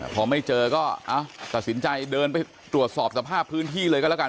พอไม่เจอก็ตัดสินใจเดินไปตรวจสอบสภาพพื้นที่เลยก็แล้วกัน